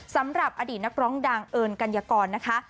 สำหรับอดีตนักร้องดังเอิญกัญญากรนะคะ